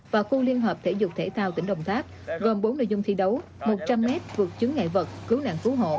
và khu liên hợp thể dục thể thao tỉnh đồng tháp gồm bốn nội dung thi đấu một trăm linh m vượt chứng ngại vật cứu nạn cứu hộ